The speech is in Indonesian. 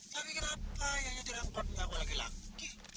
tapi kenapa yang nyajar angkotnya aku lagi lagi